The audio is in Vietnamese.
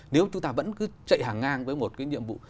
nếu chúng ta vẫn cứ chạy hàng ngang với một cái nhiệm vụ